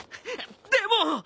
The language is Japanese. でも。